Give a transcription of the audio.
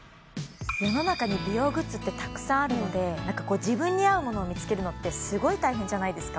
世の中に美容グッズってたくさんあるので自分に合うものを見つけるのってすごい大変じゃないですか？